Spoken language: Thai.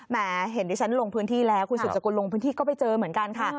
เห็นดิฉันลงพื้นที่แล้วคุณสืบสกุลลงพื้นที่ก็ไปเจอเหมือนกันค่ะ